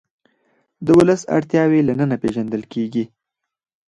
د ولس اړتیاوې له ننه پېژندل کېږي.